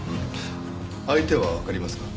相手はわかりますか？